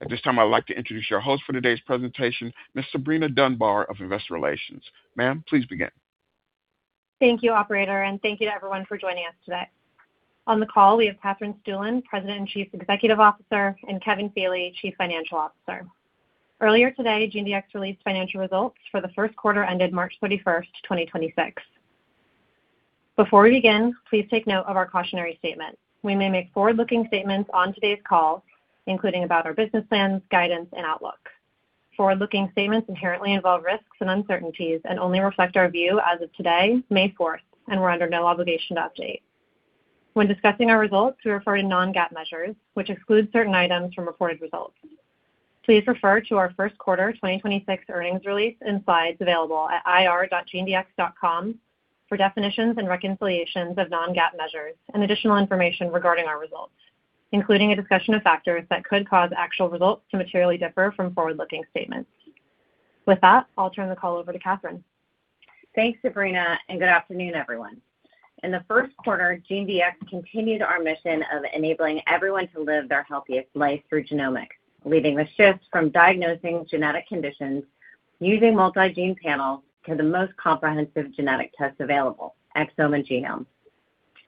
At this time, I'd like to introduce your host for today's presentation, Ms. Sabrina Dunbar of Investor Relations. Ma'am, please begin. Thank you, operator, thank you to everyone for joining us today. On the call, we have Katherine Stueland, President and Chief Executive Officer, and Kevin Feeley, Chief Financial Officer. Earlier today, GeneDx released financial results for the first quarter ended March 31, 2026. Before we begin, please take note of our cautionary statement. We may make forward-looking statements on today's call, including about our business plans, guidance, and outlook. Forward-looking statements inherently involve risks and uncertainties and only reflect our view as of today, May 4, and we're under no obligation to update. When discussing our results, we refer to non-GAAP measures, which exclude certain items from reported results. Please refer to our first quarter 2026 earnings release and slides available at ir.genedx.com for definitions and reconciliations of non-GAAP measures and additional information regarding our results, including a discussion of factors that could cause actual results to materially differ from forward-looking statements. With that, I'll turn the call over to Katherine. Thanks, Sabrina, and good afternoon, everyone. In the first quarter, GeneDx continued our mission of enabling everyone to live their healthiest life through genomics, leading the shift from diagnosing genetic conditions using multi-gene panels to the most comprehensive genetic tests available, exome and genome.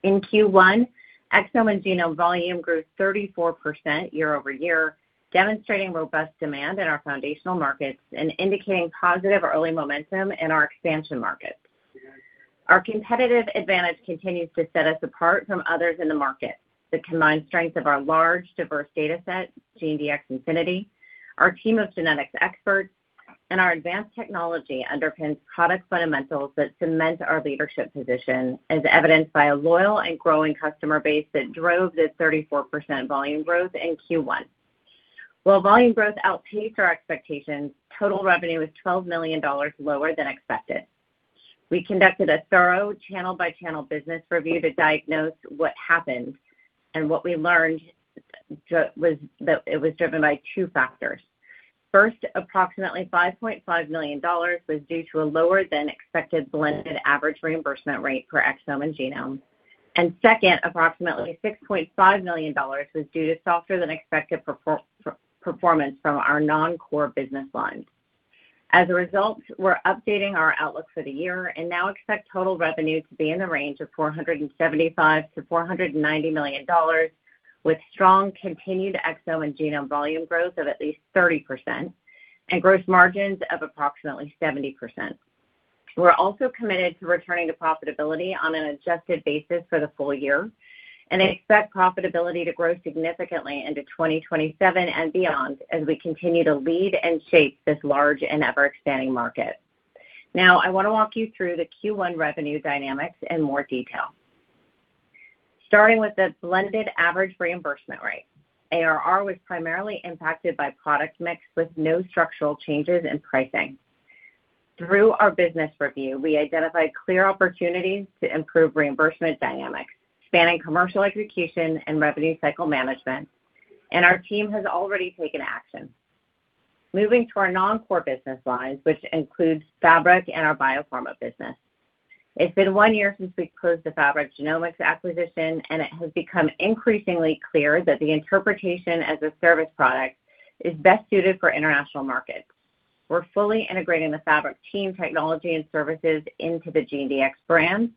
In Q1, exome and genome volume grew 34% year-over-year, demonstrating robust demand in our foundational markets and indicating positive early momentum in our expansion markets. Our competitive advantage continues to set us apart from others in the market. The combined strength of our large, diverse data set, GeneDx Infinity, our team of genetics experts, and our advanced technology underpins product fundamentals that cement our leadership position, as evidenced by a loyal and growing customer base that drove this 34% volume growth in Q1. While volume growth outpaced our expectations, total revenue was $12 million lower than expected. We conducted a thorough channel-by-channel business review to diagnose what happened, and what we learned was that it was driven by two factors. First, approximately $5.5 million was due to a lower-than-expected blended average reimbursement rate for exome and genome. Second, approximately $6.5 million was due to softer-than-expected performance from our non-core business lines. As a result, we're updating our outlook for the year and now expect total revenue to be in the range of $475 million-$490 million, with strong continued exome and genome volume growth of at least 30% and gross margins of approximately 70%. We're also committed to returning to profitability on an adjusted basis for the full year, and expect profitability to grow significantly into 2027 and beyond as we continue to lead and shape this large and ever-expanding market. I want to walk you through the Q1 revenue dynamics in more detail. Starting with the blended average reimbursement rate. ARR was primarily impacted by product mix with no structural changes in pricing. Through our business review, we identified clear opportunities to improve reimbursement dynamics, spanning commercial execution and revenue cycle management, and our team has already taken action. Moving to our non-core business lines, which includes Fabric and our biopharma business. It's been one year since we closed the Fabric Genomics acquisition, and it has become increasingly clear that the interpretation-as-a-service product is best suited for international markets. We're fully integrating the Fabric team, technology, and services into the GeneDx brand.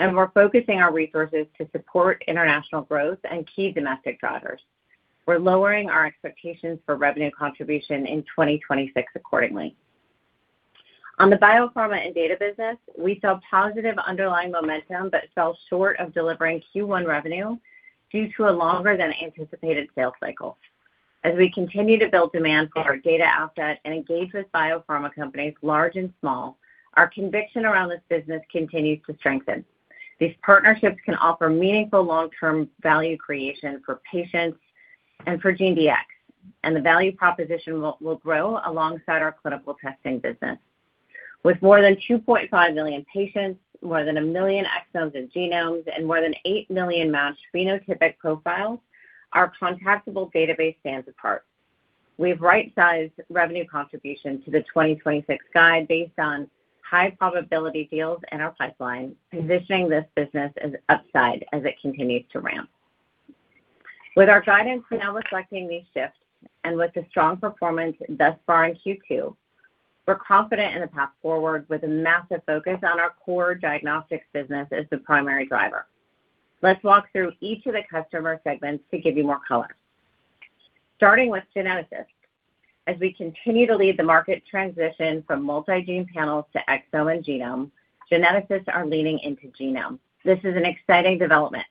We're focusing our resources to support international growth and key domestic drivers. We're lowering our expectations for revenue contribution in 2026 accordingly. On the biopharma and data business, we saw positive underlying momentum. We fell short of delivering Q1 revenue due to a longer-than-anticipated sales cycle. As we continue to build demand for our data asset and engage with biopharma companies large and small, our conviction around this business continues to strengthen. These partnerships can offer meaningful long-term value creation for patients and for GeneDx. The value proposition will grow alongside our clinical testing business. With more than 2.5 million patients, more than 1 million exomes and genomes, and more than 8 million matched phenotypic profiles, our contactable database stands apart. We've right-sized revenue contribution to the 2026 guide based on high-probability deals in our pipeline, positioning this business as upside as it continues to ramp. With our guidance now reflecting these shifts and with the strong performance thus far in Q2, we're confident in the path forward with a massive focus on our core diagnostics business as the primary driver. Let's walk through each of the customer segments to give you more color. Starting with geneticists. As we continue to lead the market transition from multi-gene panels to exome and genome, geneticists are leaning into genome. This is an exciting development.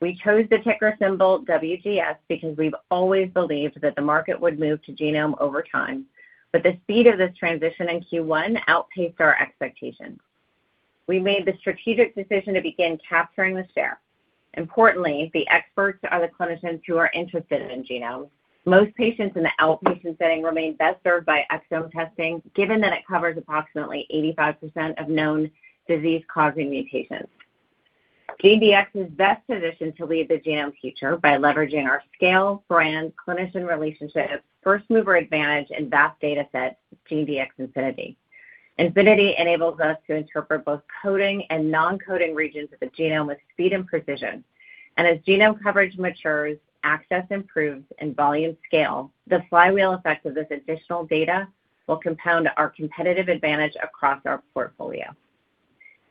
We chose the ticker symbol WGS because we've always believed that the market would move to genome over time, but the speed of this transition in Q1 outpaced our expectations. We made the strategic decision to begin capturing this share. Importantly, the experts are the clinicians who are interested in genomes. Most patients in the outpatient setting remain best served by exome testing, given that it covers approximately 85% of known disease-causing mutations. GeneDx is best positioned to lead the genome future by leveraging our scale, brand, clinician relationships, first-mover advantage, and vast data set with GeneDx Infinity. Infinity enables us to interpret both coding and non-coding regions of the genome with speed and precision. As genome coverage matures, access improves, and volume scale, the flywheel effect of this additional data will compound our competitive advantage across our portfolio.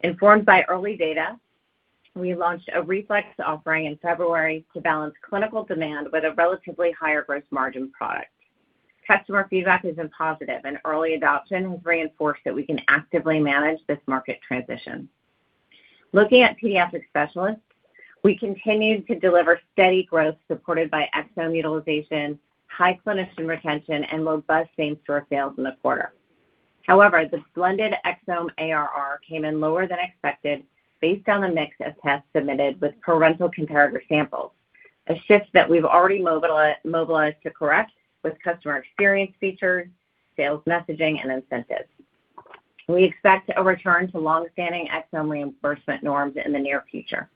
Informed by early data, we launched a reflex offering in February to balance clinical demand with a relatively higher gross margin product. Customer feedback has been positive, and early adoption has reinforced that we can actively manage this market transition. Looking at pediatric specialists, we continued to deliver steady growth supported by exome utilization, high clinician retention, and robust same-store sales in the quarter. However, the blended exome ARR came in lower than expected based on the mix of tests submitted with parental comparator samples, a shift that we've already mobilized to correct with customer experience features, sales messaging, and incentives. We expect a return to long-standing exome reimbursement norms in the near future.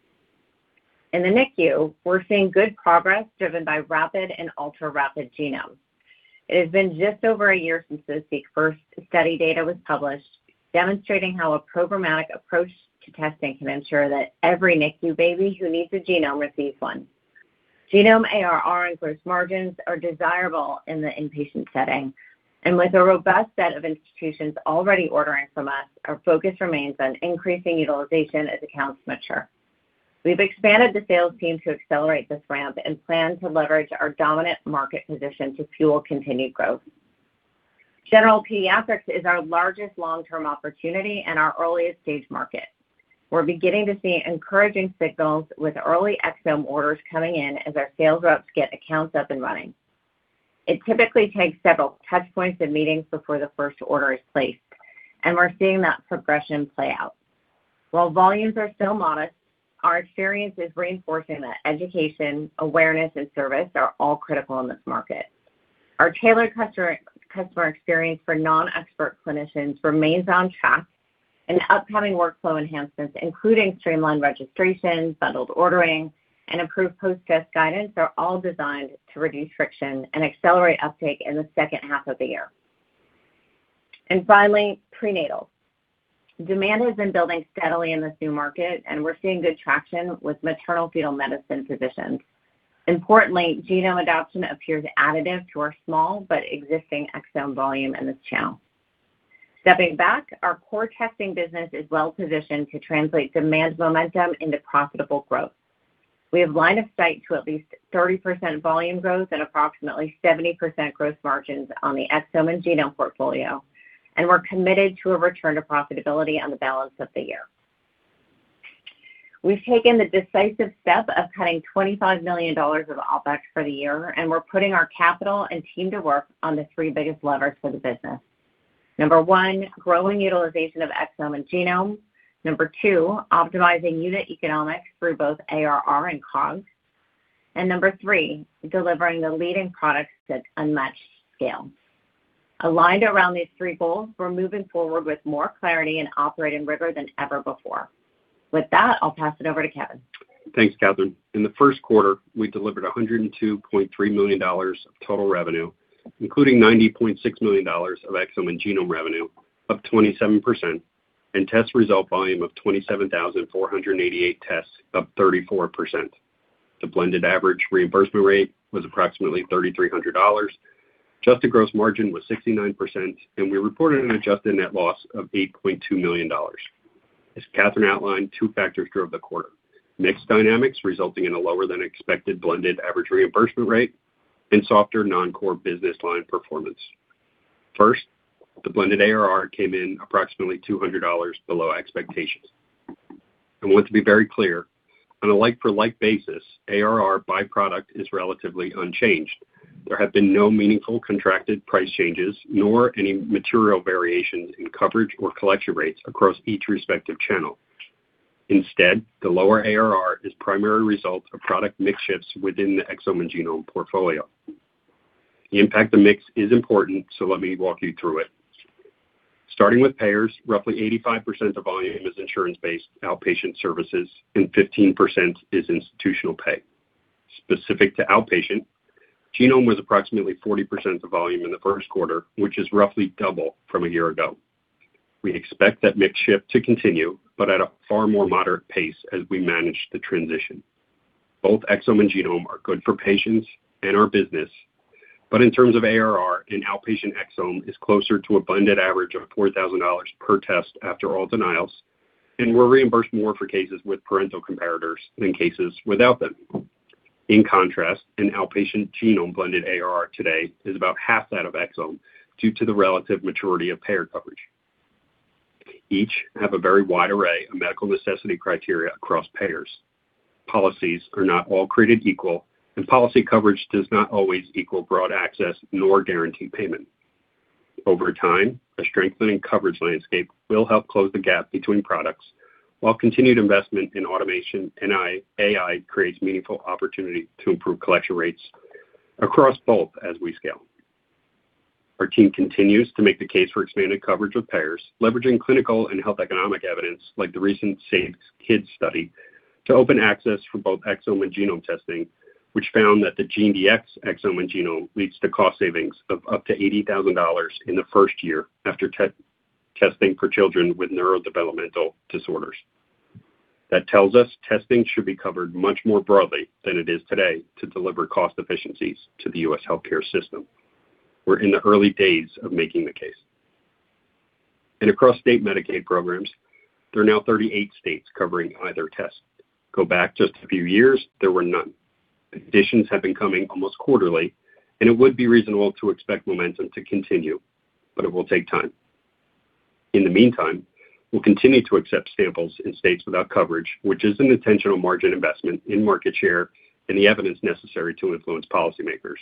In the NICU, we're seeing good progress driven by rapid and ultra-rapid genomes. It has been just over 1 year since the SeqFirst study data was published, demonstrating how a programmatic approach to testing can ensure that every NICU baby who needs a genome receives one. Genome ARR and gross margins are desirable in the inpatient setting. With a robust set of institutions already ordering from us, our focus remains on increasing utilization as accounts mature. We've expanded the sales team to accelerate this ramp and plan to leverage our dominant market position to fuel continued growth. General pediatrics is our largest long-term opportunity and our earliest-stage market. We're beginning to see encouraging signals with early exome orders coming in as our sales reps get accounts up and running. It typically takes several touch points and meetings before the first order is placed, and we're seeing that progression play out. While volumes are still modest, our experience is reinforcing that education, awareness, and service are all critical in this market. Our tailored customer experience for non-expert clinicians remains on track, upcoming workflow enhancements, including streamlined registration, bundled ordering, and improved post-test guidance, are all designed to reduce friction and accelerate uptake in the 2nd half of the year. Finally, prenatal. Demand has been building steadily in this new market, we're seeing good traction with maternal fetal medicine physicians. Importantly, genome adoption appears additive to our small but existing exome volume in this channel. Stepping back, our core testing business is well-positioned to translate demand momentum into profitable growth. We have line of sight to at least 30% volume growth and approximately 70% gross margins on the exome and genome portfolio, we're committed to a return to profitability on the balance of the year. We've taken the decisive step of cutting $25 million of OpEx for the year, and we're putting our capital and team to work on the three biggest levers for the business. Number one, growing utilization of exome and genome. Number two, optimizing unit economics through both ARR and COGS. Number three, delivering the leading products at unmatched scale. Aligned around these three goals, we're moving forward with more clarity and operating rigor than ever before. With that, I'll pass it over to Kevin. Thanks, Katherine. In the first quarter, we delivered $102.3 million of total revenue, including $90.6 million of exome and genome revenue, up 27%, and test result volume of 27,488 tests, up 34%. The blended average reimbursement rate was approximately $3,300. Adjusted gross margin was 69%, and we reported an adjusted net loss of $8.2 million. As Katherine outlined, two factors drove the quarter: mix dynamics resulting in a lower-than-expected blended average reimbursement rate and softer non-core business line performance. First, the blended ARR came in approximately $200 below expectations. I want to be very clear, on a like-for-like basis, ARR by product is relatively unchanged. There have been no meaningful contracted price changes, nor any material variations in coverage or collection rates across each respective channel. Instead, the lower ARR is primarily a result of product mix shifts within the exome and genome portfolio. The impact of mix is important, so let me walk you through it. Starting with payers, roughly 85% of volume is insurance-based outpatient services, and 15% is institutional pay. Specific to outpatient, genome was approximately 40% of volume in the first quarter, which is roughly double from a year ago. We expect that mix shift to continue, but at a far more moderate pace as we manage the transition. Both exome and genome are good for patients and our business, but in terms of ARR, an outpatient exome is closer to a blended average of $4,000 per test after all denials, and we're reimbursed more for cases with parental comparators than cases without them. In contrast, an outpatient genome blended ARR today is about half that of exome due to the relative maturity of payer coverage. Each have a very wide array of medical necessity criteria across payers. Policies are not all created equal. Policy coverage does not always equal broad access nor guarantee payment. Over time, a strengthening coverage landscape will help close the gap between products, while continued investment in automation and AI creates meaningful opportunity to improve collection rates across both as we scale. Our team continues to make the case for expanded coverage with payers, leveraging clinical and health economic evidence like the recent SAVES-Kids study to open access for both exome and genome testing, which found that the GeneDx exome and genome leads to cost savings of up to $80,000 in the first year after testing for children with neurodevelopmental disorders. That tells us testing should be covered much more broadly than it is today to deliver cost efficiencies to the U.S. healthcare system. We're in the early days of making the case. Across state Medicaid programs, there are now 38 states covering either test. Go back just a few years, there were none. Additions have been coming almost quarterly, and it would be reasonable to expect momentum to continue, but it will take time. In the meantime, we'll continue to accept samples in states without coverage, which is an intentional margin investment in market share and the evidence necessary to influence policymakers.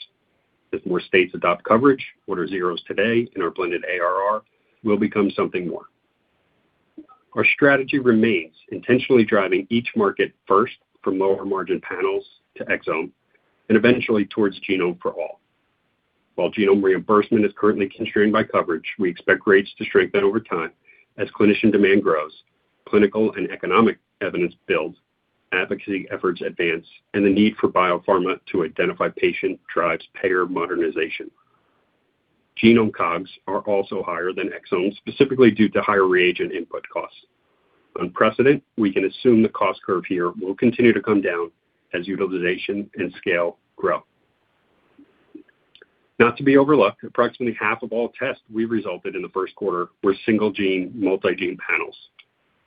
As more states adopt coverage, order zeros today in our blended ARR will become something more. Our strategy remains intentionally driving each market first from lower-margin panels to exome and eventually towards genome for all. While genome reimbursement is currently constrained by coverage, we expect rates to strengthen over time as clinician demand grows, clinical and economic evidence builds, advocacy efforts advance, and the need for biopharma to identify patient drives payer modernization. Genome COGS are also higher than exome, specifically due to higher reagent input costs. Unprecedented, we can assume the cost curve here will continue to come down as utilization and scale grow. Not to be overlooked, approximately half of all tests we resulted in the first quarter were single-gene, multi-gene panels.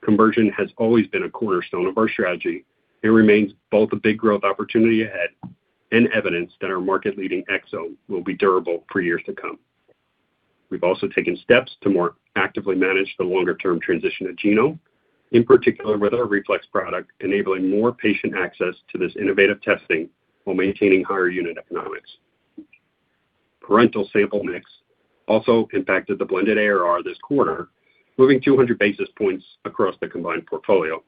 Conversion has always been a cornerstone of our strategy. It remains both a big growth opportunity ahead and evidence that our market-leading exome will be durable for years to come. We've also taken steps to more actively manage the longer-term transition to genome, in particular with our reflex product, enabling more patient access to this innovative testing while maintaining higher unit economics. Parental sample mix also impacted the blended ARR this quarter, moving 200 basis points across the combined portfolio.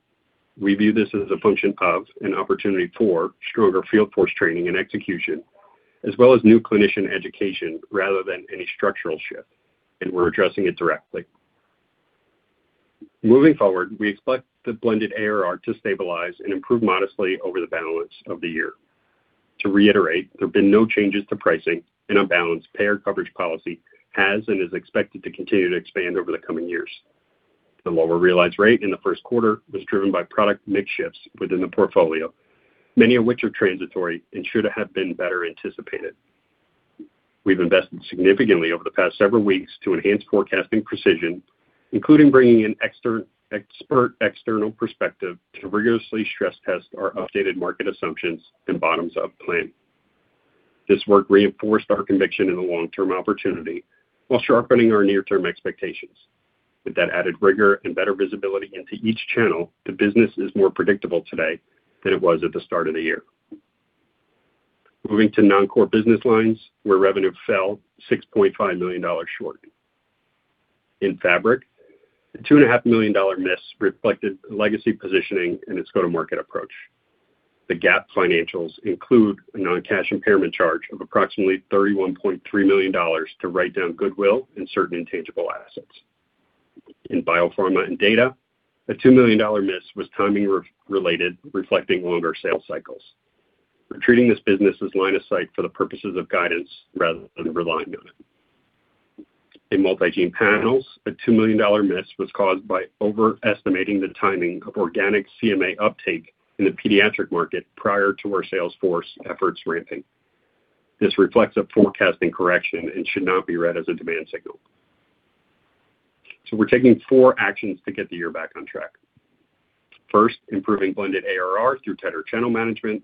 We view this as a function of an opportunity for stronger field force training and execution, as well as new clinician education rather than any structural shift, and we're addressing it directly. Moving forward, we expect the blended ARR to stabilize and improve modestly over the balance of the year. To reiterate, there have been no changes to pricing, and on balance, payer coverage policy has and is expected to continue to expand over the coming years. The lower realized rate in the first quarter was driven by product mix shifts within the portfolio, many of which are transitory and should have been better anticipated. We've invested significantly over the past several weeks to enhance forecasting precision, including bringing in expert external perspective to rigorously stress test our updated market assumptions and bottoms-up plan. This work reinforced our conviction in the long-term opportunity while sharpening our near-term expectations. With that added rigor and better visibility into each channel, the business is more predictable today than it was at the start of the year. Moving to non-core business lines, where revenue fell $6.5 million short. In Fabric, a two and a half million dollar miss reflected legacy positioning and its go-to-market approach. The GAAP financials include a non-cash impairment charge of approximately $31.3 million to write down goodwill and certain intangible assets. In biopharma and data, a $2 million miss was timing re-related, reflecting longer sales cycles. We're treating this business as line of sight for the purposes of guidance rather than relying on it. In multi-gene panels, a $2 million miss was caused by overestimating the timing of organic CMA uptake in the pediatric market prior to our sales force efforts ramping. This reflects a forecasting correction and should not be read as a demand signal. We're taking four actions to get the year back on track. First, improving blended ARR through tighter channel management.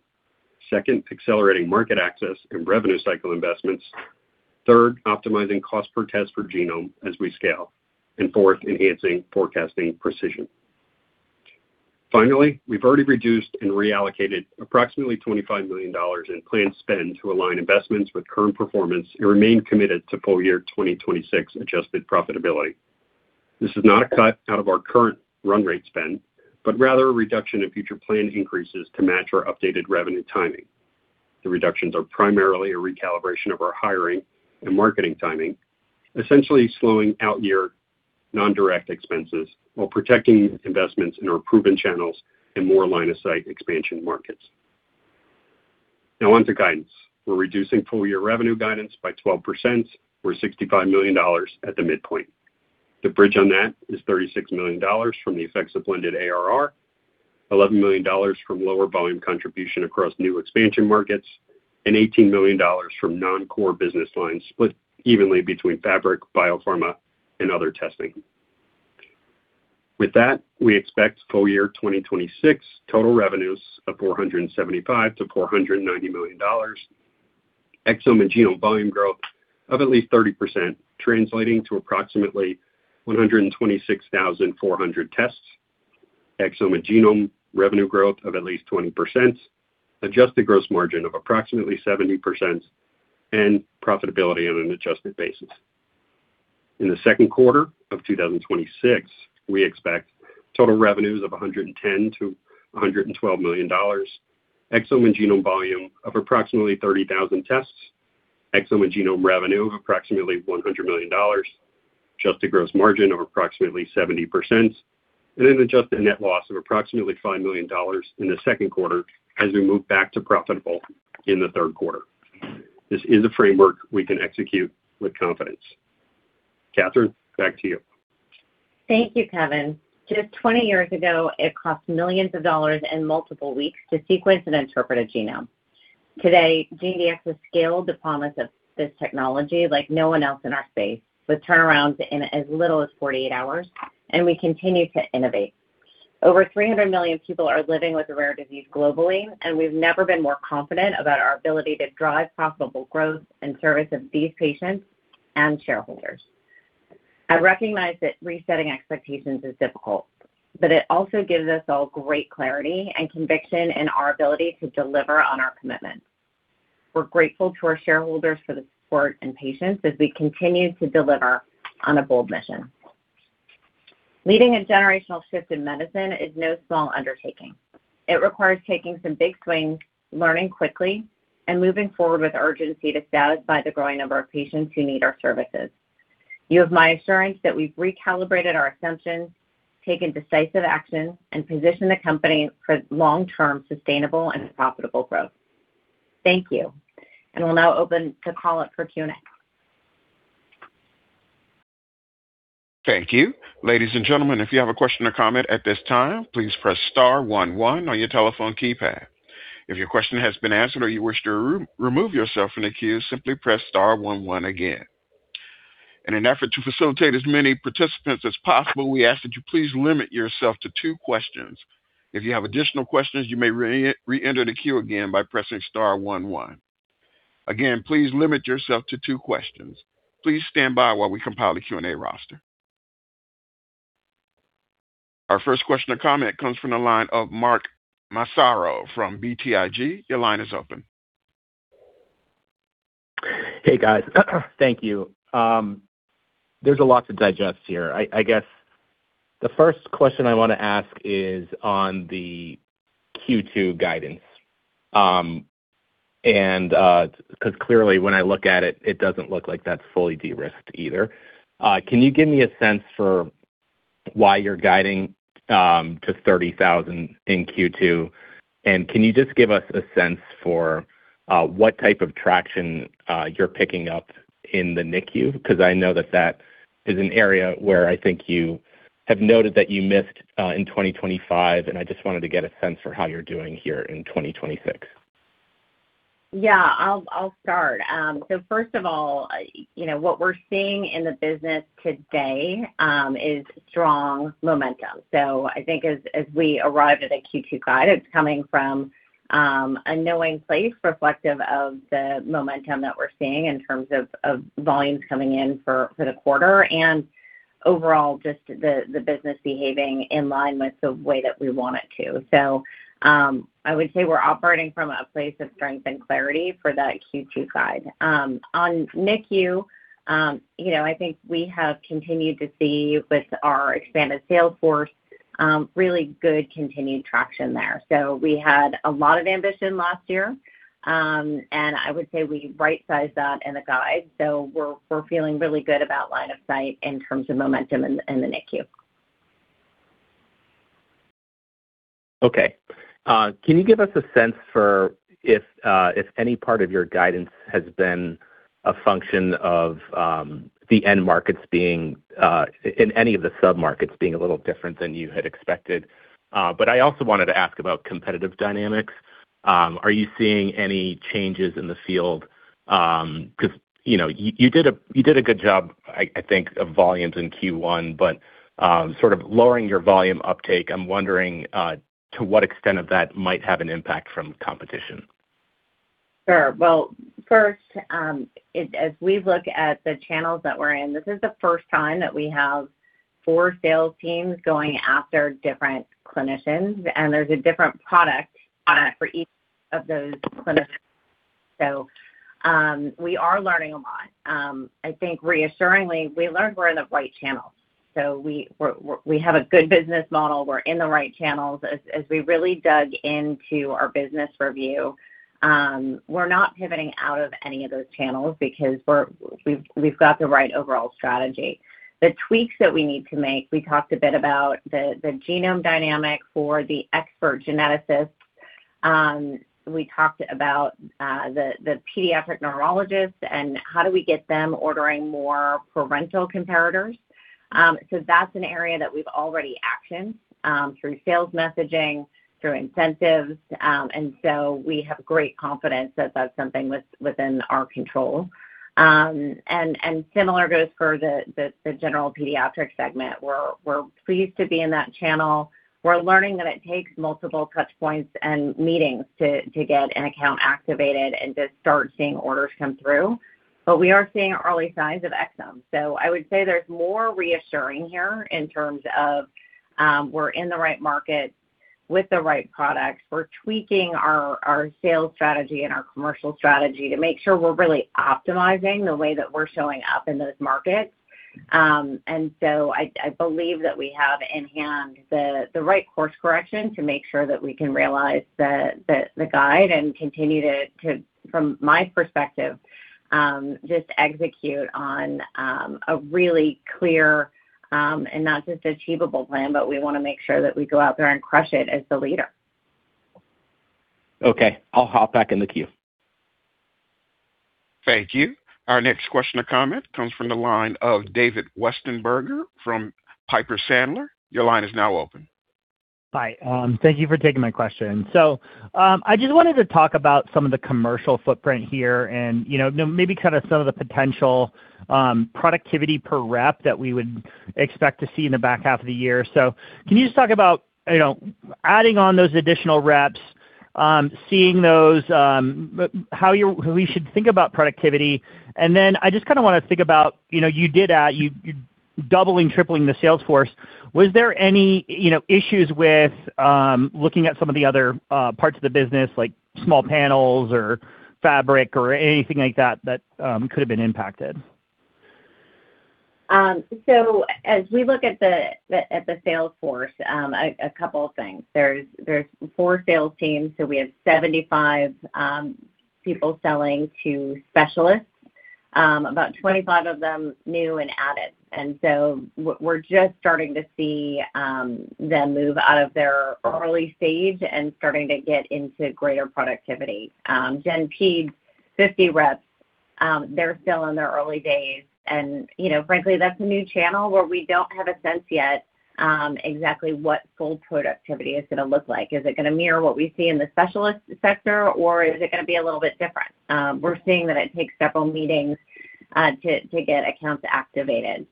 Second, accelerating market access and revenue cycle investments. Third, optimizing cost per test for genome as we scale. Fourth, enhancing forecasting precision. Finally, we've already reduced and reallocated approximately $25 million in planned spend to align investments with current performance and remain committed to full year 2026 adjusted profitability. This is not a cut out of our current run rate spend, but rather a reduction in future planned increases to match our updated revenue timing. The reductions are primarily a recalibration of our hiring and marketing timing, essentially slowing out-year non-direct expenses while protecting investments in our proven channels and more line-of-sight expansion markets. Now on to guidance. We're reducing full-year revenue guidance by 12%, or $65 million at the midpoint. The bridge on that is $36 million from the effects of blended ARR, $11 million from lower volume contribution across new expansion markets, and $18 million from non-core business lines split evenly between Fabric, biopharma, and other testing. With that, we expect full-year 2026 total revenues of $475 million-$490 million, exome and genome volume growth of at least 30%, translating to approximately 126,400 tests, exome and genome revenue growth of at least 20%, adjusted gross margin of approximately 70%, and profitability on an adjusted basis. In the second quarter of 2026, we expect total revenues of $110 million-$112 million, exome and genome volume of approximately 30,000 tests. Exome and genome revenue of approximately $100 million, adjusted gross margin of approximately 70%, and an adjusted net loss of approximately $5 million in the second quarter as we move back to profitable in the third quarter. This is a framework we can execute with confidence. Katherine, back to you. Thank you, Kevin. Just 20 years ago, it cost millions of dollars and multiple weeks to sequence and interpret a genome. Today, GeneDx has scaled the promise of this technology like no one else in our space, with turnarounds in as little as 48 hours, and we continue to innovate. Over 300 million people are living with a rare disease globally, and we've never been more confident about our ability to drive profitable growth in service of these patients and shareholders. I recognize that resetting expectations is difficult, but it also gives us all great clarity and conviction in our ability to deliver on our commitments. We're grateful to our shareholders for the support and patience as we continue to deliver on a bold mission. Leading a generational shift in medicine is no small undertaking. It requires taking some big swings, learning quickly, and moving forward with urgency to serve by the growing number of patients who need our services. You have my assurance that we've recalibrated our assumptions, taken decisive action, and positioned the company for long-term sustainable and profitable growth. Thank you. We'll now open the call up for Q&A. Thank you. Ladies and gentlemen, if you have a question or comment at this time, please press star one one on your telephone keypad. If your question has been answered or you wish to remove yourself from the queue, simply press star one one again. In an effort to facilitate as many participants as possible, we ask that you please limit yourself to two questions. If you have additional questions, you may re-enter the queue again by pressing star one one. Again, please limit yourself to two questions. Please stand by while we compile the Q&A roster. Our first question or comment comes from the line of Mark Massaro from BTIG. Your line is open. Hey, guys. Thank you. There's a lot to digest here. I guess the first question I want to ask is on the Q2 guidance, clearly when I look at it doesn't look like that's fully de-risked either. Can you give me a sense for why you're guiding to $30,000 in Q2? Can you just give us a sense for what type of traction you're picking up in the NICU? I know that that is an area where I think you have noted that you missed in 2025, and I just wanted to get a sense for how you're doing here in 2026. Yeah, I'll start. I think as we arrived at a Q2 guide, it's coming from a knowing place reflective of the momentum that we're seeing in terms of volumes coming in for the quarter and overall just the business behaving in line with the way that we want it to. I would say we're operating from a place of strength and clarity for that Q2 guide. On NICU, you know, I think we have continued to see with our expanded sales force really good continued traction there. We had a lot of ambition last year, and I would say we right-sized that in the guide. We're feeling really good about line of sight in terms of momentum in the NICU. Okay. Can you give us a sense for if any part of your guidance has been a function of the end markets being in any of the sub-markets being a little different than you had expected? I also wanted to ask about competitive dynamics. Are you seeing any changes in the field? 'Cause, you know, you did a good job, I think, of volumes in Q1, sort of lowering your volume uptake, I'm wondering to what extent of that might have an impact from competition. Sure. Well, first, as we look at the channels that we're in, this is the first time that we have four sales teams going after different clinicians, and there's a different product for each of those clinicians. We are learning a lot. I think reassuringly, we learned we're in the right channels. We have a good business model. We're in the right channels. As, as we really dug into our business review, we're not pivoting out of any of those channels because we've got the right overall strategy. The tweaks that we need to make, we talked a bit about the genome dynamic for the expert geneticists. We talked about the pediatric neurologists and how do we get them ordering more parental comparators. That's an area that we've already actioned through sales messaging, through incentives. We have great confidence that that's something within our control. Similar goes for the general pediatric segment. We're pleased to be in that channel. We're learning that it takes multiple touch points and meetings to get an account activated and to start seeing orders come through. We are seeing early signs of exomes. I would say there's more reassuring here in terms of we're in the right market with the right products. We're tweaking our sales strategy and our commercial strategy to make sure we're really optimizing the way that we're showing up in those markets. I believe that we have in hand the right course correction to make sure that we can realize the guide and continue to, from my perspective, just execute on a really clear and not just achievable plan, but we wanna make sure that we go out there and crush it as the leader. Okay. I'll hop back in the queue. Thank you. Our next question or comment comes from the line of David Westenberg from Piper Sandler. Hi. Thank you for taking my question. I just wanted to talk about some of the commercial footprint here and, you know, maybe kinda some of the potential productivity per rep that we would expect to see in the back half of the year. Can you just talk about, you know, adding on those additional reps, seeing those, how we should think about productivity. I just kinda wanna think about, you know, doubling, tripling the sales force. Was there any, you know, issues with looking at some of the other parts of the business, like small panels or Fabric or anything like that could have been impacted? As we look at the sales force, a couple of things. There's four sales teams, we have 75 people selling to specialists, about 25 of them new and added. We're just starting to see them move out of their early stage and starting to get into greater productivity. Gen Peds, 50 reps, they're still in their early days. You know, frankly, that's a new channel where we don't have a sense yet exactly what full productivity is gonna look like. Is it gonna mirror what we see in the specialist sector, or is it gonna be a little bit different? We're seeing that it takes several meetings to get accounts activated.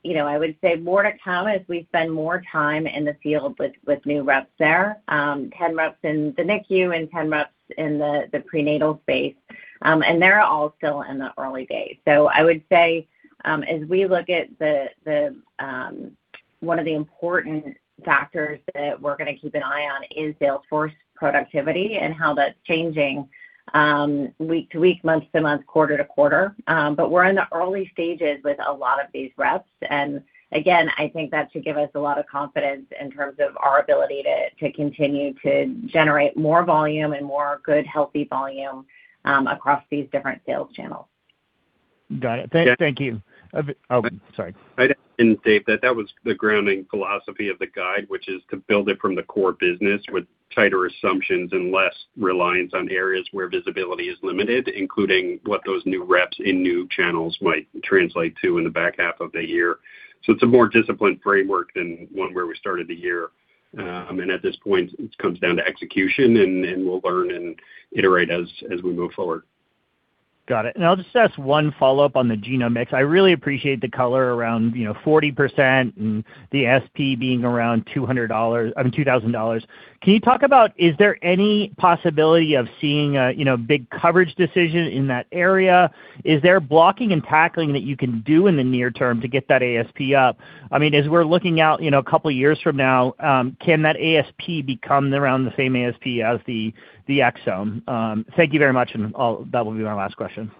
You know, I would say more to come as we spend more time in the field with new reps there. 10 reps in the NICU and 10 reps in the prenatal space. They're all still in the early days. I would say, as we look at the one of the important factors that we're gonna keep an eye on is sales force productivity and how that's changing, week to week, month to month, quarter to quarter. We're in the early stages with a lot of these reps. Again, I think that should give us a lot of confidence in terms of our ability to continue to generate more volume and more good, healthy volume across these different sales channels. Got it. Thank you. Oh, sorry. I'd add, Dave, that that was the grounding philosophy of the guide, which is to build it from the core business with tighter assumptions and less reliance on areas where visibility is limited, including what those new reps in new channels might translate to in the back half of the year. It's a more disciplined framework than one where we started the year. At this point, it comes down to execution, and we'll learn and iterate as we move forward. Got it. I'll just ask one follow-up on the genomics. I really appreciate the color around, you know, 40% and the ASP being around $200. I mean $2,000. Can you talk about, is there any possibility of seeing a, you know, big coverage decision in that area? Is there blocking and tackling that you can do in the near term to get that ASP up? I mean, as we're looking out, you know, a couple of years from now, can that ASP become around the same ASP as the exome? Thank you very much. That will be my last question.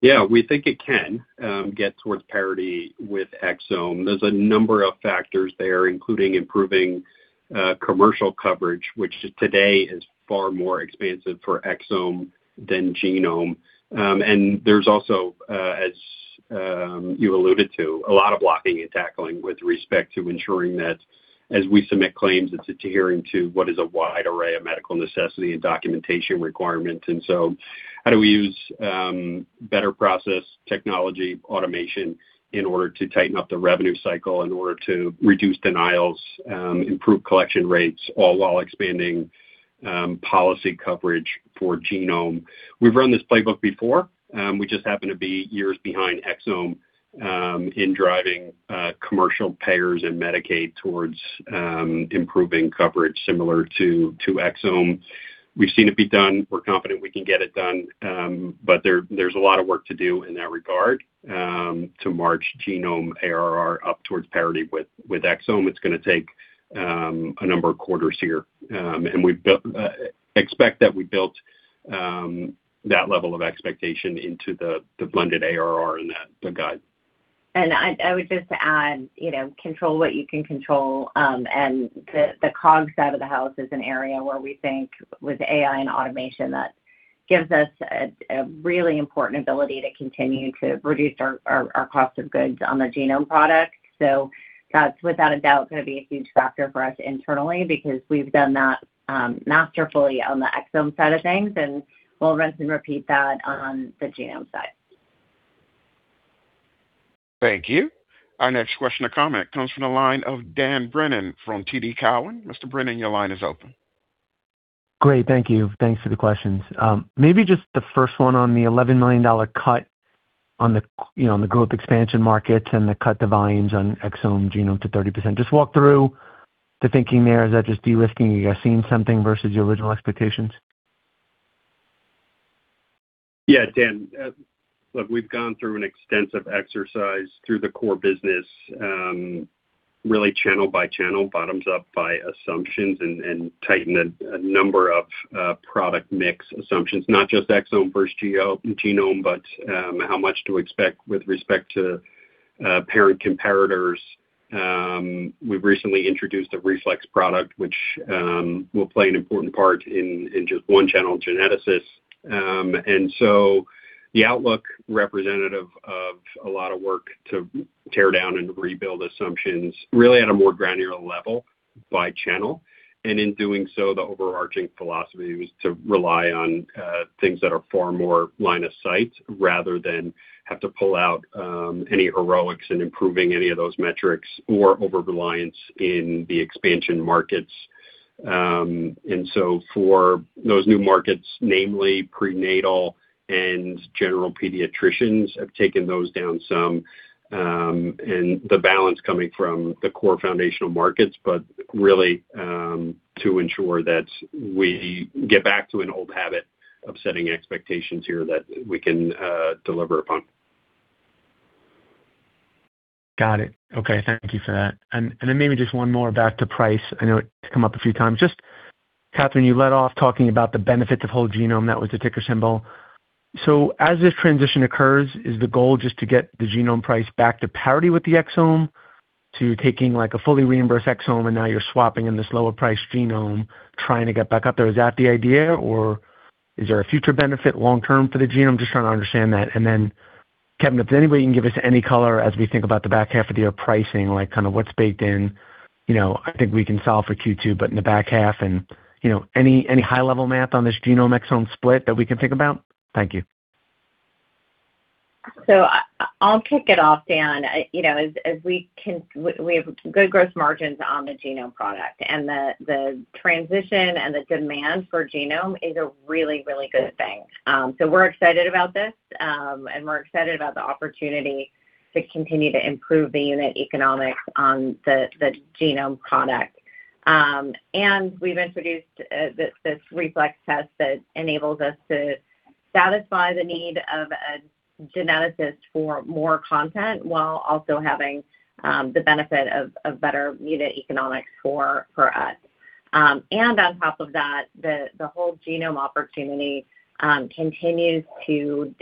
Yeah, we think it can get towards parity with exome. There's a number of factors there, including improving commercial coverage, which today is far more expansive for exome than genome. There's also as you alluded to, a lot of blocking and tackling with respect to ensuring that as we submit claims, it's adhering to what is a wide array of medical necessity and documentation requirements. How do we use better process technology automation in order to tighten up the revenue cycle, in order to reduce denials, improve collection rates, all while expanding policy coverage for genome? We've run this playbook before. We just happen to be years behind exome in driving commercial payers and Medicaid towards improving coverage similar to exome. We've seen it be done. We're confident we can get it done. There, there's a lot of work to do in that regard to march genome ARR up towards parity with exome. It's gonna take a number of quarters here. We expect that we built that level of expectation into the blended ARR in that, the guide. I would just add, you know, control what you can control. The COGS side of the house is an area where we think with AI and automation that gives us a really important ability to continue to reduce our cost of goods on the genome product. That's without a doubt gonna be a huge factor for us internally because we've done that masterfully on the exome side of things, and we'll rinse and repeat that on the genome side. Thank you. Our next question or comment comes from the line of Dan Brennan from TD Cowen. Mr. Brennan, your line is open. Great. Thank you. Thanks for the questions. Maybe just the first one on the $11 million cut on the, you know, on the growth expansion markets and the cut to volumes on exome genome to 30%. Just walk through the thinking there. Is that just de-risking? Are you guys seeing something versus your original expectations? Yeah, Dan. Look, we've gone through an extensive exercise through the core business, really channel by channel, bottoms up by assumptions and tighten a number of product mix assumptions, not just exome versus genome, but how much to expect with respect to parent comparators. We've recently introduced a reflex product, which will play an important part in just one channel geneticists. The outlook representative of a lot of work to tear down and rebuild assumptions really at a more granular level by channel. In doing so, the overarching philosophy was to rely on things that are far more line of sight rather than have to pull out any heroics in improving any of those metrics or over-reliance in the expansion markets. For those new markets, namely prenatal and general pediatricians, have taken those down some, and the balance coming from the core foundational markets, but really, to ensure that we get back to an old habit of setting expectations here that we can deliver upon. Got it. Okay, thank you for that. Maybe just one more back to price. Just, Katherine, you led off talking about the benefits of whole genome. That was the ticker symbol. As this transition occurs, is the goal just to get the genome price back to parity with the exome to taking, like, a fully reimbursed exome, and now you're swapping in this lower-priced genome trying to get back up there? Is that the idea, or is there a future benefit long term for the genome? Just trying to understand that. Kevin, if there's any way you can give us any color as we think about the back half of the year pricing, like kind of what's baked in. You know, I think we can solve for Q2, but in the back half and, you know, any high-level math on this genome exome split that we can think about? Thank you. Dan. You know, as we have good gross margins on the genome product, and the transition and the demand for genome is a really good thing. We're excited about this, and we're excited about the opportunity to continue to improve the unit economics on the genome product. We've introduced this reflex test that enables us to satisfy the need of a geneticist for more content while also having the benefit of better unit economics for us. On top of that, the whole genome opportunity continues to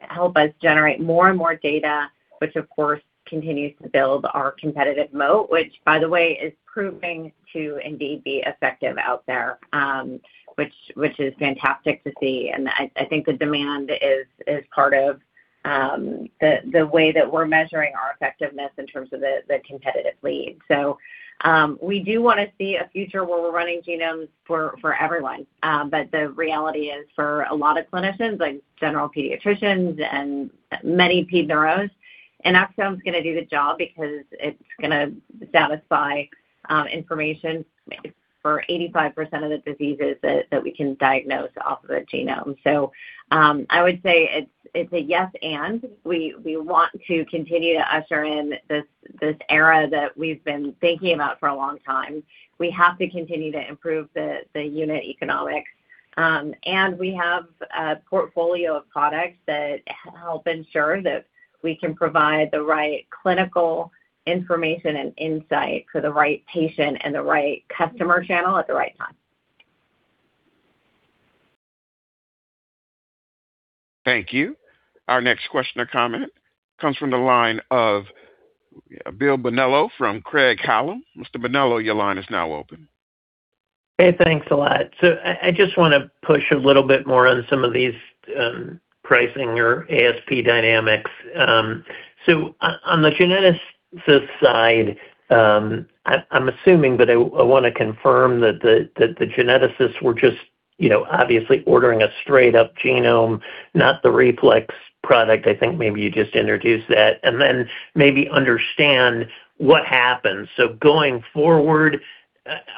help us generate more and more data, which of course continues to build our competitive moat, which by the way, is proving to indeed be effective out there, which is fantastic to see. I think the demand is part of the way that we're measuring our effectiveness in terms of the competitive lead. We do wanna see a future where we're running genomes for everyone. The reality is for a lot of clinicians, like general pediatricians and many ped neuros, an exome is gonna do the job because it's gonna satisfy information for 85% of the diseases that we can diagnose off of the genome. I would say it's a yes, and we want to continue to usher in this era that we've been thinking about for a long time. We have to continue to improve the unit economics. We have a portfolio of products that help ensure that we can provide the right clinical information and insight for the right patient and the right customer channel at the right time. Thank you. Our next question or comment comes from the line of Bill Bonello from Craig-Hallum. Mr. Bonello, your line is now open. Hey, thanks a lot. I just wanna push a little bit more on some of these pricing or ASP dynamics. On the geneticist side, I'm assuming, but I wanna confirm that the geneticists were just, you know, obviously ordering a straight-up genome, not the reflex product. I think maybe you just introduced that. Then maybe understand what happens. Going forward,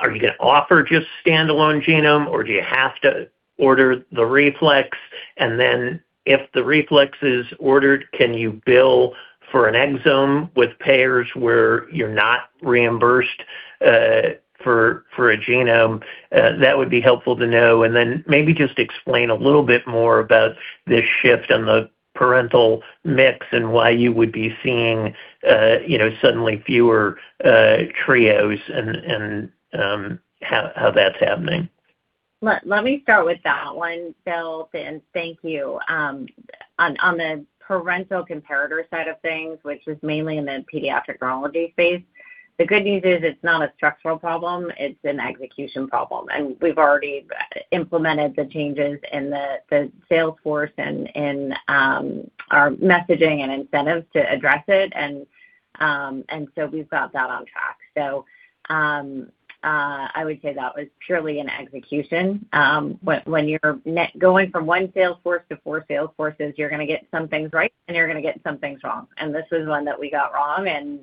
are you gonna offer just standalone genome, or do you have to order the reflex? Then if the reflex is ordered, can you bill for an exome with payers where you're not reimbursed for a genome? That would be helpful to know. Maybe just explain a little bit more about this shift on the parental mix and why you would be seeing, you know, suddenly fewer trios and how that's happening. Let me start with that one, Bill, and thank you. On the parental comparator side of things, which is mainly in the pediatric neurology space, the good news is it's not a structural problem, it's an execution problem. We've already implemented the changes in the sales force and in our messaging and incentives to address it. We've got that on track. I would say that was purely an execution. When you're going from one sales force to four sales forces, you're gonna get some things right and you're gonna get some things wrong. This is one that we got wrong, and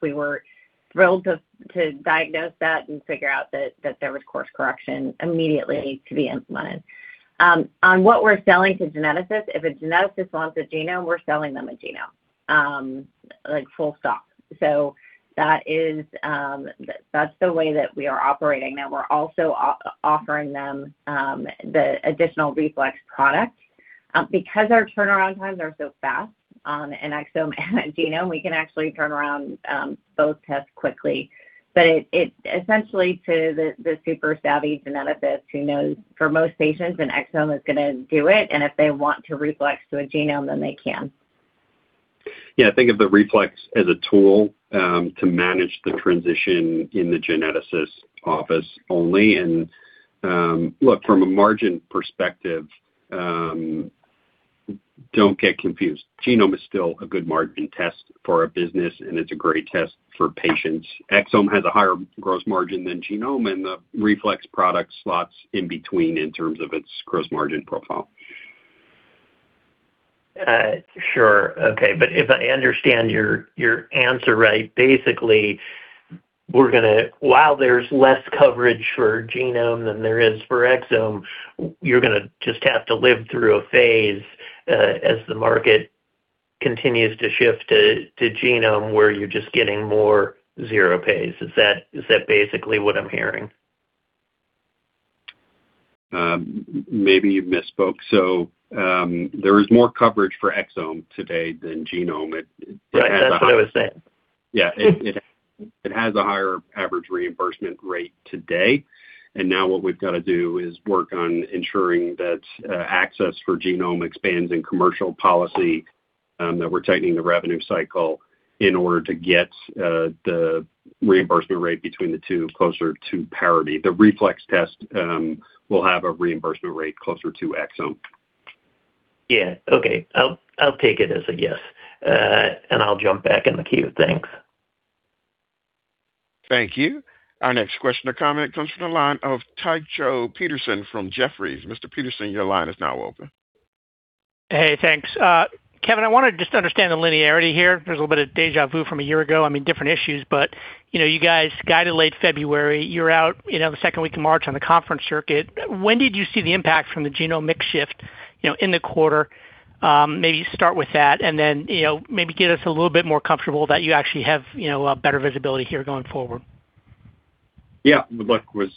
we were thrilled to diagnose that and figure out that there was course correction immediately to be implemented. On what we're selling to geneticists, if a geneticist wants a genome, we're selling them a genome, full stop. That is, that's the way that we are operating. We're also offering them the additional reflex product. Because our turnaround times are so fast, in exome and genome, we can actually turn around both tests quickly. It essentially to the super savvy geneticist who knows for most patients, an exome is going to do it, and if they want to reflex to a genome, then they can. Yeah. Think of the reflex as a tool to manage the transition in the geneticist office only. Look from a margin perspective, don't get confused. genome is still a good margin test for our business, and it's a great test for patients. exome has a higher gross margin than genome, and the reflex product slots in between in terms of its gross margin profile. Sure. Okay. If I understand your answer right, basically, while there's less coverage for genome than there is for exome, you're going to just have to live through a phase as the market continues to shift to genome, where you're just getting more zero pays. Is that basically what I'm hearing? Maybe you misspoke. There is more coverage for exome today than genome. Right. That's what I was saying. Yeah. It has a higher average reimbursement rate today. Now what we've got to do is work on ensuring that access for genome expands in commercial policy, that we're tightening the revenue cycle in order to get the reimbursement rate between the two closer to parity. The reflex test will have a reimbursement rate closer to exome. Yeah. Okay. I'll take it as a yes. I'll jump back in the queue. Thanks. Thank you. Our next question or comment comes from the line of Tycho Peterson from Jefferies. Mr. Peterson, your line is now open. Hey, thanks. Kevin, I wanted just to understand the linearity here. There's a little bit of deja vu from a year ago. I mean, different issues, but you know, you guys guided late February. You're out, you know, the second week of March on the conference circuit. When did you see the impact from the genome mix shift, you know, in the quarter? Maybe start with that and then, you know, maybe get us a little bit more comfortable that you actually have, you know, a better visibility here going forward. Look, was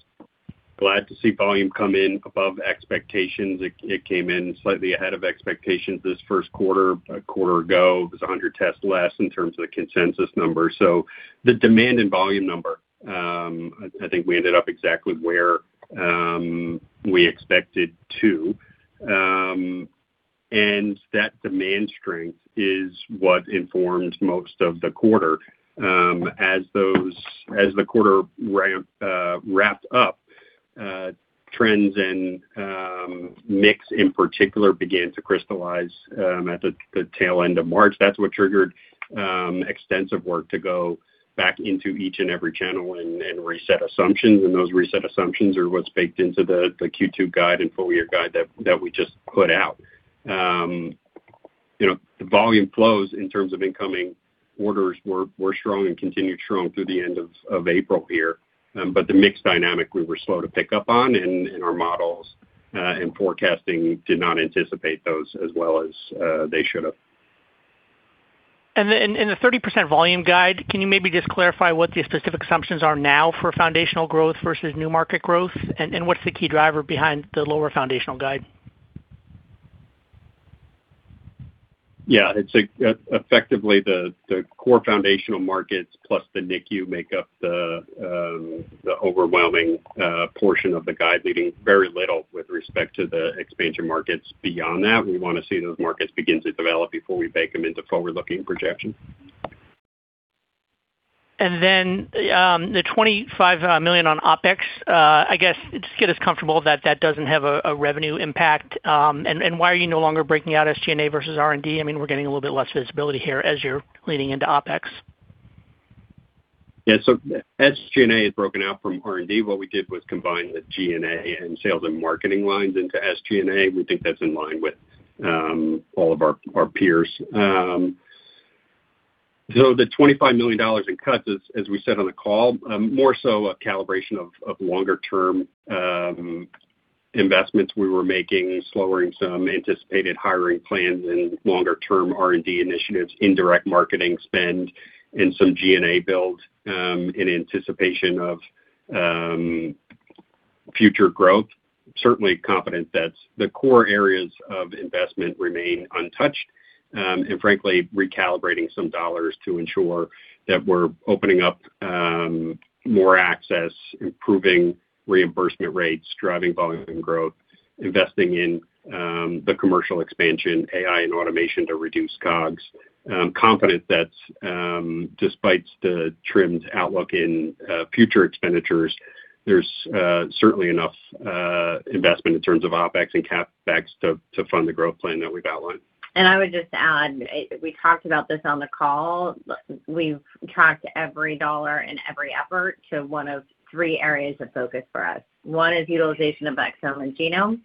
glad to see volume come in above expectations. It came in slightly ahead of expectations this first quarter. A quarter ago, it was 100 tests less in terms of the consensus number. The demand and volume number, I think we ended up exactly where we expected to. That demand strength is what informed most of the quarter. As the quarter wrapped up, trends and mix, in particular, began to crystallize at the tail end of March. That's what triggered extensive work to go back into each and every channel and reset assumptions. Those reset assumptions are what's baked into the Q2 guide and full-year guide that we just put out. You know, the volume flows in terms of incoming orders were strong and continued strong through the end of April here. The mix dynamic we were slow to pick up on in our models, and forecasting did not anticipate those as well as they should have. Then in the 30% volume guide, can you maybe just clarify what the specific assumptions are now for foundational growth versus new market growth? What's the key driver behind the lower foundational guide? It's effectively the core foundational markets plus the NICU make up the overwhelming portion of the guide, leaving very little with respect to the expansion markets. Beyond that, we want to see those markets begin to develop before we bake them into forward-looking projection. The $25 million on OpEx, I guess, just get us comfortable that that doesn't have a revenue impact. Why are you no longer breaking out SG&A versus R&D? I mean, we're getting a little bit less visibility here as you're leaning into OpEx. SG&A is broken out from R&D. What we did was combine the G&A and sales and marketing lines into SG&A. We think that's in line with all of our peers. The $25 million in cuts is, as we said on the call, more so a calibration of longer-term investments we were making, slowing some anticipated hiring plans and longer-term R&D initiatives, indirect marketing spend, and some G&A build in anticipation of future growth. Certainly confident that the core areas of investment remain untouched, and frankly, recalibrating some dollars to ensure that we're opening up more access, improving reimbursement rates, driving volume growth, investing in the commercial expansion, AI and automation to reduce COGS. Confident that, despite the trimmed outlook in future expenditures, there's certainly enough investment in terms of OpEx and CapEx to fund the growth plan that we've outlined. I would just add, we talked about this on the call. We've tracked every dollar and every effort to one of three areas of focus for us. One is utilization of exome and genome,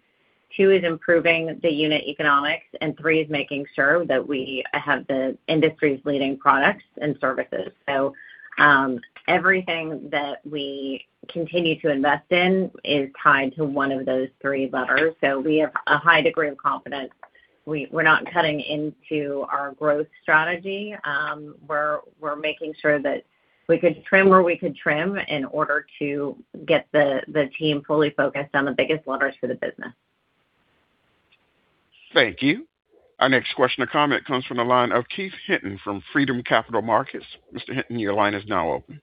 two is improving the unit economics, and 3 is making sure that we have the industry's leading products and services. Everything that we continue to invest in is tied to one of those three levers. We have a high degree of confidence. We're not cutting into our growth strategy. We're, we're making sure that we could trim where we could trim in order to get the team fully focused on the biggest levers for the business. Thank you. Our next question or comment comes from the line of Keith Hinton from Freedom Capital Markets. Mr. Hinton, your line is now open.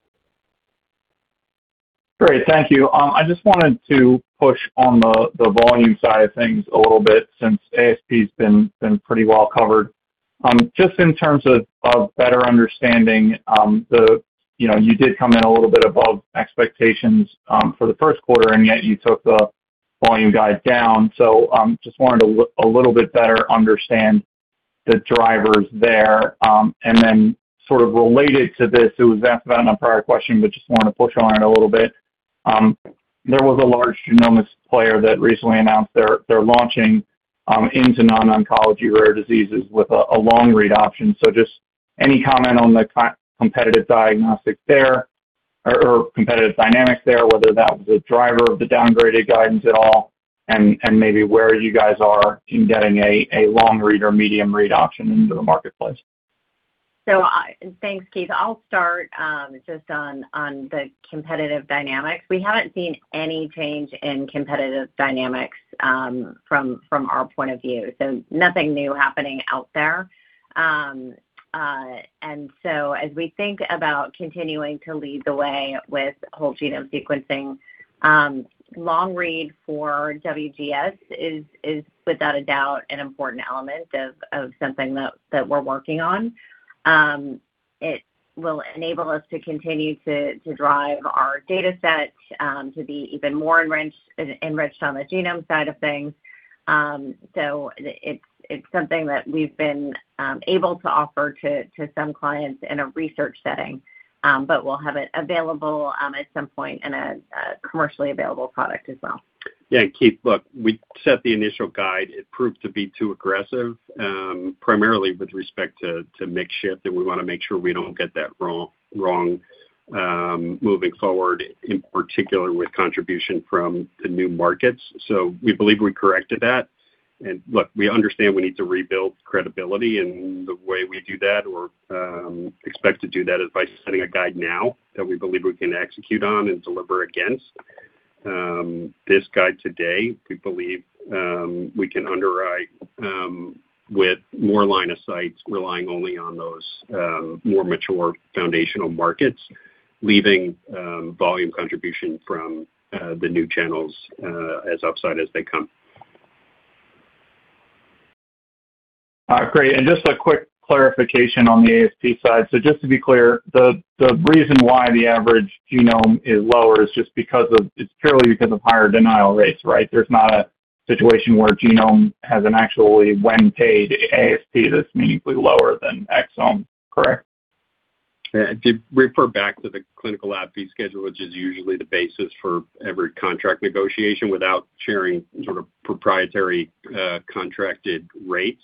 Great. Thank you. I just wanted to push on the volume side of things a little bit since ASPs been pretty well covered. Just in terms of better understanding, you know, you did come in a little bit above expectations for the first quarter, and yet you took the volume guide down. Just wanted to a little bit better understand the drivers there. Sort of related to this, it was asked about in a prior question, but just wanted to push on it a little bit. There was a large genomics player that recently announced they're launching into non-oncology rare diseases with a long-read option. Just any comment on the competitive diagnostic there or competitive dynamics there, whether that was a driver of the downgraded guidance at all, and maybe where you guys are in getting a long-read or medium-read option into the marketplace. Thanks, Keith. I'll start just on the competitive dynamics. We haven't seen any change in competitive dynamics from our point of view, nothing new happening out there. As we think about continuing to lead the way with whole-genome sequencing, long-read for WGS is without a doubt an important element of something that we're working on. It will enable us to continue to drive our data set to be even more enriched on the genome side of things. It's something that we've been able to offer to some clients in a research setting, we'll have it available at some point in a commercially available product as well. Yeah. Keith, look, we set the initial guide. It proved to be too aggressive, primarily with respect to mix shift, and we wanna make sure we don't get that wrong moving forward, in particular with contribution from the new markets. We believe we corrected that. Look, we understand we need to rebuild credibility, and the way we do that or expect to do that is by setting a guide now that we believe we can execute on and deliver against. This guide today, we believe we can underwrite with more line of sights, relying only on those more mature foundational markets, leaving volume contribution from the new channels as upside as they come. Great. Just a quick clarification on the ASP side. Just to be clear, the reason why the average genome is lower is just because of higher denial rates, right? There's not a situation where genome has an actually when-paid ASP that's meaningfully lower than exome. Correct? Yeah. To refer back to the Clinical Laboratory Fee Schedule, which is usually the basis for every contract negotiation, without sharing sort of proprietary contracted rates,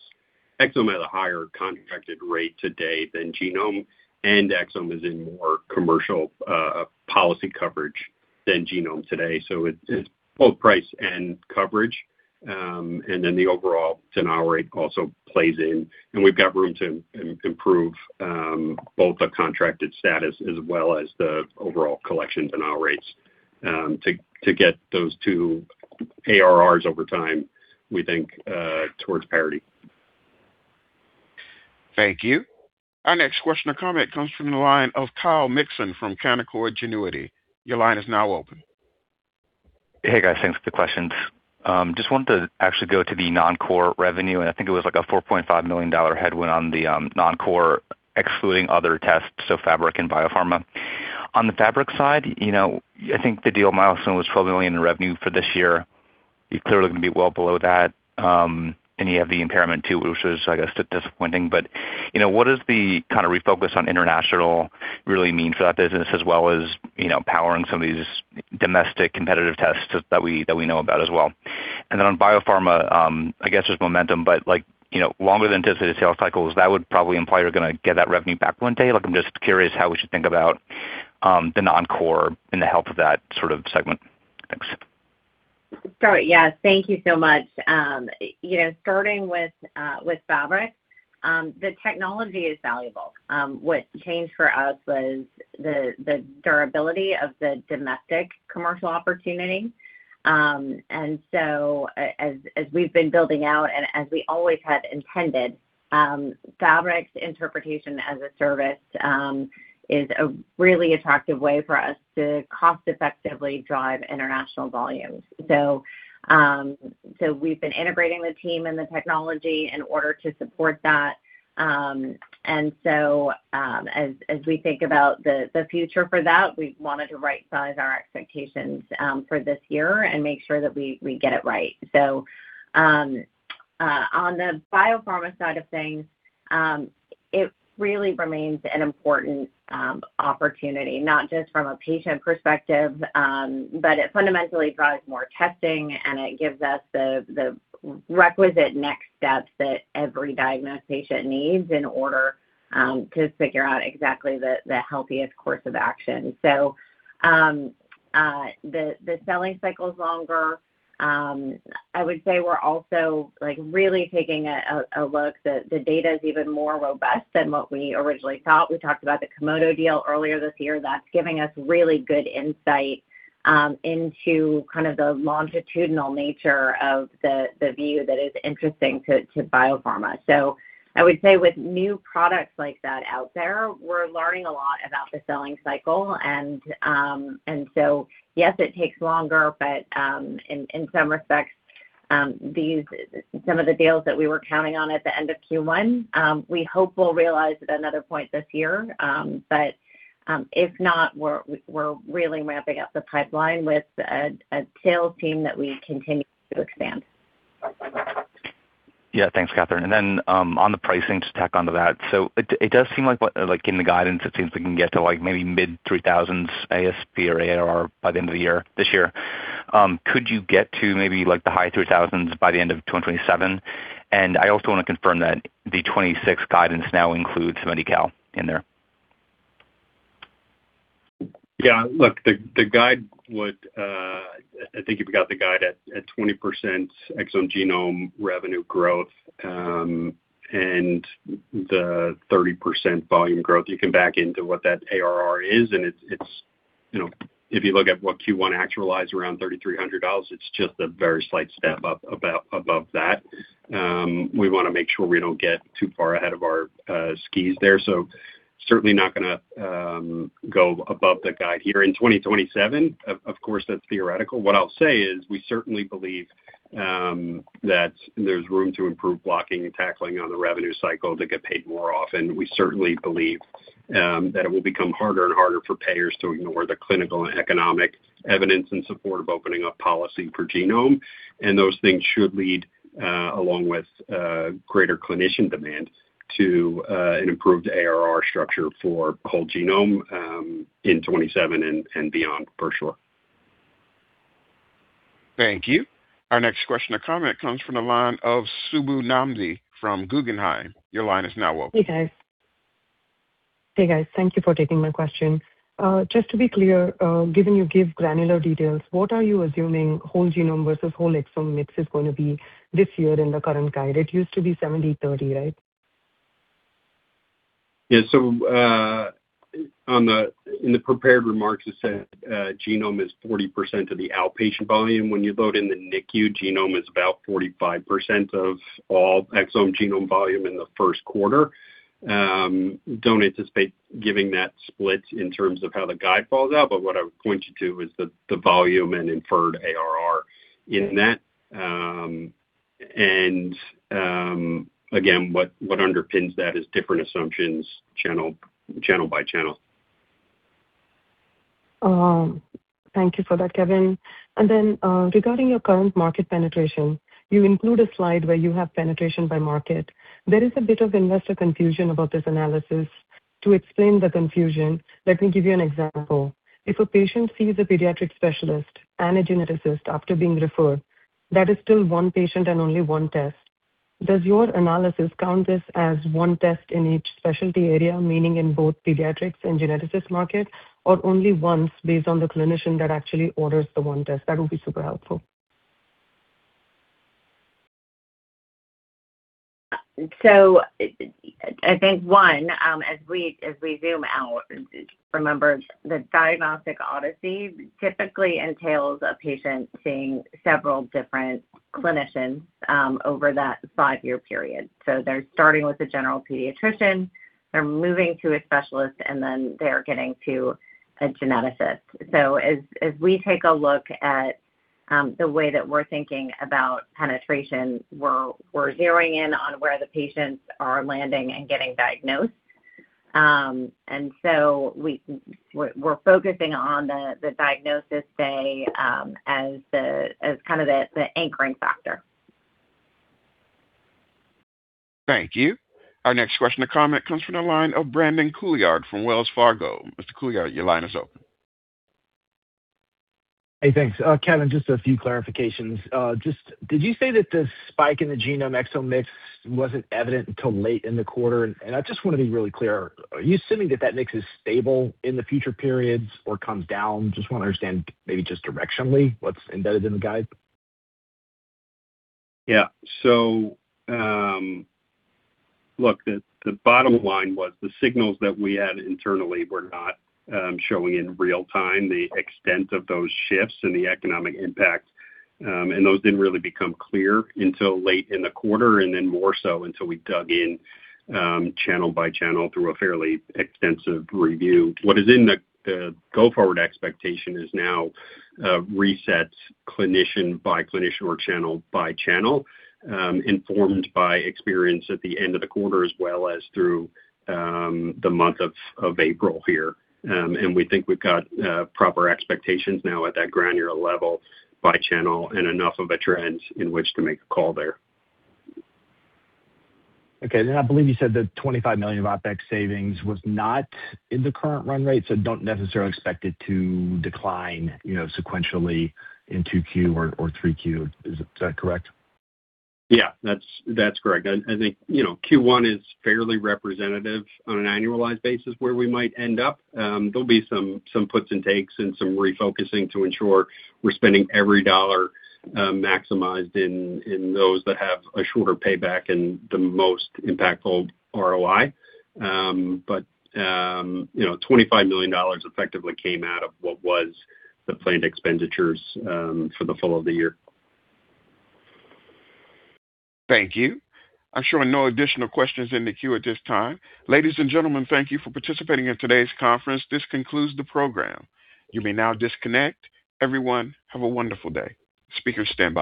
exome has a higher contracted rate today than genome, and exome is in more commercial policy coverage than genome today. It's both price and coverage, and then the overall denial rate also plays in. We've got room to improve both the contracted status as well as the overall collection denial rates to get those two ARRs over time, we think, towards parity. Thank you. Our next question or comment comes from the line of Kyle Mikson from Canaccord Genuity. Your line is now open. Hey, guys. Thanks for the questions. Just wanted to actually go to the non-core revenue. I think it was like a $4.5 million headwind on the non-core, excluding other tests, so Fabric and biopharma. On the Fabric side, you know, I think the deal milestone was $12 million in revenue for this year. You're clearly gonna be well below that. You have the impairment too, which is, I guess, disappointing. You know, what is the kind of refocus on international really mean for that business as well as, you know, powering some of these domestic competitive tests that we know about as well? On biopharma, I guess there's momentum, but, like, you know, longer than anticipated sales cycles, that would probably imply you're gonna get that revenue back one day. I'm just curious how we should think about the non-core and the health of that sort of segment. Thanks. Sure. Yeah. Thank you so much. you know, starting with Fabric, the technology is valuable. What changed for us was the durability of the domestic commercial opportunity. As we've been building out and as we always had intended, Fabric's interpretation as a service is a really attractive way for us to cost effectively drive international volumes. We've been integrating the team and the technology in order to support that. As we think about the future for that, we wanted to right-size our expectations for this year and make sure that we get it right. On the biopharma side of things, it really remains an important opportunity, not just from a patient perspective, but it fundamentally drives more testing, and it gives us the requisite next steps that every diagnosed patient needs in order to figure out exactly the healthiest course of action. I would say we're also, like, really taking a look. The data is even more robust than what we originally thought. We talked about the Komodo deal earlier this year. That's giving us really good insight into kind of the longitudinal nature of the view that is interesting to biopharma. I would say with new products like that out there, we're learning a lot about the selling cycle, and so, yes, it takes longer, but in some respects, some of the deals that we were counting on at the end of Q1, we hope we'll realize at another point this year. If not, we're really ramping up the pipeline with a sales team that we continue to expand. Yeah. Thanks, Katherine. Then, on the pricing, to tack onto that, so it does seem like in the guidance, it seems we can get to, like, maybe mid $3,000s ASP or ARR by the end of the year, this year. Could you get to maybe, like, the high $2,000s by the end of 2027? I also want to confirm that the 2026 guidance now includes Medi-Cal in there. Yeah. Look, I think if you've got the guide at 20% exome genome revenue growth, and 30% volume growth, you can back into what that ARR is, you know. If you look at what Q1 actualized around $3,300, it's just a very slight step up about above that. We wanna make sure we don't get too far ahead of our skis there, so certainly not gonna go above the guide here in 2027. Of course, that's theoretical. What I'll say is, we certainly believe that there's room to improve blocking and tackling on the revenue cycle to get paid more often. We certainly believe that it will become harder and harder for payers to ignore the clinical and economic evidence in support of opening up policy for genome. Those things should lead, along with greater clinician demand to an improved ARR structure for whole genome in 2027 and beyond, for sure. Thank you. Our next question or comment comes from the line of Subbu Nambi from Guggenheim. Your line is now open. Hey, guys. Thank you for taking my question. Just to be clear, given you give granular details, what are you assuming whole genome versus whole exome mix is gonna be this year in the current guide? It used to be 70/30, right? Yeah. In the prepared remarks, it said, genome is 40% of the outpatient volume. When you load in the NICU, genome is about 45% of all exome genome volume in the Q1. Don't anticipate giving that split in terms of how the guide falls out, but what I would point you to is the volume and inferred ARR in that. Again, what underpins that is different assumptions channel by channel. Thank you for that, Kevin. Regarding your current market penetration, you include a slide where you have penetration by market. There is a bit of investor confusion about this analysis. To explain the confusion, let me give you an example. If a patient sees a pediatric specialist and a geneticist after being referred, that is still one patient and only one test. Does your analysis count this as one test in each specialty area, meaning in both pediatrics and geneticist market, or only once based on the clinician that actually orders the one test? That would be super helpful. I think, one, as we, as we zoom out, remember, the diagnostic odyssey typically entails a patient seeing several different clinicians over that five-year period. They're starting with a general pediatrician, they're moving to a specialist, and then they're getting to a geneticist. As, as we take a look at, the way that we're thinking about penetration, we're zeroing in on where the patients are landing and getting diagnosed. We're focusing on the diagnosis day as the, as kind of the anchoring factor. Thank you. Our next question and comment comes from the line of Brandon Couillard from Wells Fargo. Mr. Couillard, your line is open. Hey, thanks. Kevin, just a few clarifications. Just did you say that the spike in the genome exome mix wasn't evident until late in the quarter? I just wanna be really clear. Are you assuming that that mix is stable in the future periods or comes down? Just wanna understand maybe just directionally what's embedded in the guide. Look, the bottom line was the signals that we had internally were not showing in real time the extent of those shifts and the economic impact. And those didn't really become clear until late in the quarter, and then more so until we dug in channel by channel through a fairly extensive review. What is in the go-forward expectation is now reset clinician by clinician or channel by channel, informed by experience at the end of the quarter as well as through the month of April here. And we think we've got proper expectations now at that granular level by channel and enough of a trend in which to make a call there. Okay. I believe you said the $25 million OpEx savings was not in the current run rate, so don't necessarily expect it to decline, you know, sequentially in 2Q or 3Q. Is that correct? Yeah. That's correct. I think, you know, Q1 is fairly representative on an annualized basis where we might end up. There'll be some puts and takes and some refocusing to ensure we're spending every dollar, maximized in those that have a shorter payback and the most impactful ROI. You know, $25 million effectively came out of what was the planned expenditures for the full of the year. Thank you. I'm showing no additional questions in the queue at this time. Ladies and gentlemen, thank you for participating in today's conference. This concludes the program. You may now disconnect. Everyone, have a wonderful day. Speakers stand by.